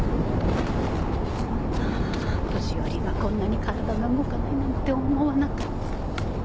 あぁ年寄りがこんなに体が動かないなんて思わなかった。